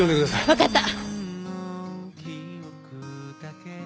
わかった。